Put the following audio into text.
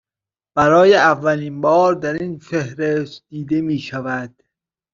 برای اولین بار در این فهرست دیده می شود